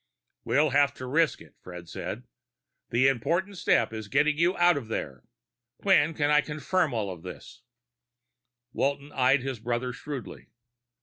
"We'll have to risk it," said Fred. "The important step is getting you out of there. When can I have confirmation of all this?" Walton eyed his brother shrewdly.